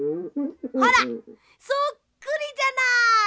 ほらそっくりじゃない！